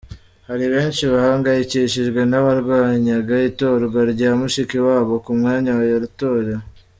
Hari benshi bahangayikishijwe n’abarwanyaga itorwa rya Mushikiwabo ku mwanya yatorewe.